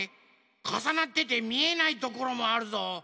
かさなっててみえないところもあるぞ。